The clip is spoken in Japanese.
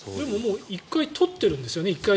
１回取ってるんですよね。